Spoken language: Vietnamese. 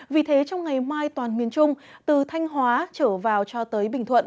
vì thế trong ngày mai toàn miền trung từ thanh hóa trở vào cho tới bình thuận